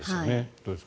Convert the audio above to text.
どうですか？